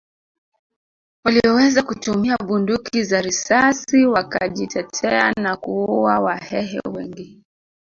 Walioweza kutumia bunduki za risasi wakajitetea na kuua Wahehe wengi